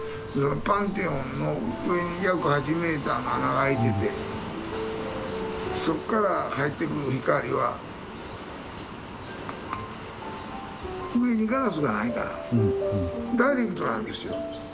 パンテオンの上に約８メーターの穴が開いててそっから入ってくる光は上にガラスがないからダイレクトなんですよ。